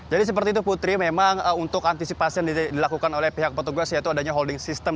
jadi seperti itu putri memang untuk antisipasi yang dilakukan oleh pihak bertugas yaitu adanya holding system